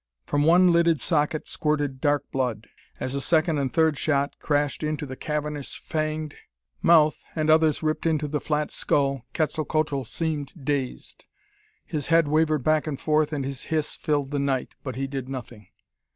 From one lidded socket squirted dark blood. As a second and third shot crashed into the cavernous fanged mouth, and others ripped into the flat skull, Quetzalcoatl seemed dazed. His head wavered back and forth and his hiss filled the night, but he did nothing.